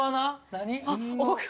何？